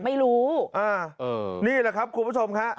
ไม่รู้อ่านี่แหละครับคุณผู้ชมฮะ